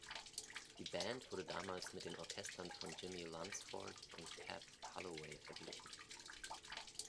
Die Band wurde damals mit den Orchestern von Jimmie Lunceford und Cab Calloway verglichen.